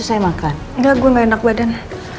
sayang perempuan saya gerek